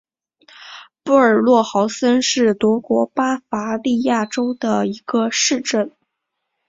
布尔格豪森是德国巴伐利亚州的一个市镇。